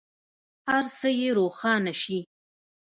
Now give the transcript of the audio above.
هر څه یې روښانه شي.